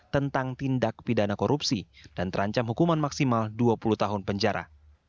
tentang tindak pidana korupsi dan terancam hukuman maksimal dua puluh tahun penjara